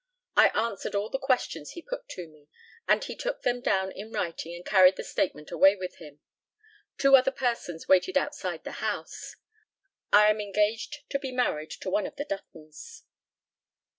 I answered all the questions he put to me, and he took them down in writing and carried the statement away with him. Two other persons waited outside the house. I am engaged to be married to one of the Duttons.